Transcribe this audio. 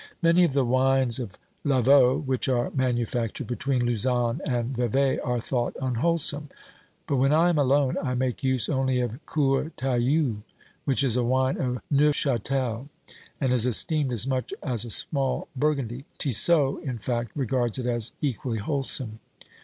Many of the wines of Lavaux which are manufactured between Lausanne and Vevey are thought unwholesome, but when I am alone I make use only of Courtailloux, which is a wine of Neuchatel, and is esteemed as much as a small burgundy ; Tissot, in fact, regards it as equally wholesome.